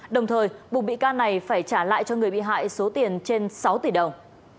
đồng thời buộc bị can này phải trả lại cho người bị hại số tiền trên sáu tỷ đồng